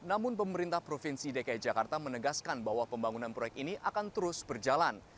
namun pemerintah provinsi dki jakarta menegaskan bahwa pembangunan proyek ini akan terus berjalan